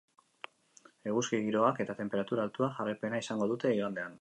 Eguzki giroak eta tenperatura altuak jarraipena izango dute igandean.